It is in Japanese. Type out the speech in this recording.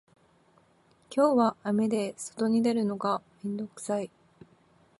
今日は雨で外に出るのが面倒くさい